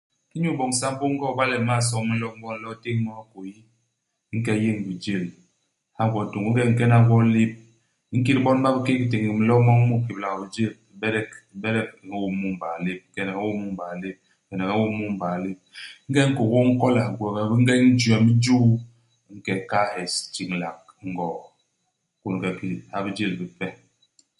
Inyu iboñ sambô i ngoo. Iba le u m'mal somb minlop ñwoñ u nlo u téñ ñwo hikôyi, u nke u yéñ bijél, u ha gwo i tôngô. Ingeñ u nkena gwo i lép, u nkit bon ba bikék, u téñék minlop ñwoñ mu u kéblak bijel. U bedek, u bedek u ñôm mu i mbaa lép. U kenek u ñôm mu i mbaa lép, u kenek u ñôm mu i mbaa lép. Ingeñ kôkôa i nkola, gwegwes bi ngeñ jwem i juu, u nke u kahal hes, u tiñlak ngoo. U kôndge ki ha bijél bipe.